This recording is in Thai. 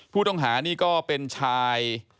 ผู้ต้องหานี่ก็เป็นชาย